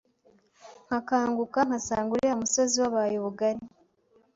nkakanguka nkasanga uriya musozi wabaye ubugari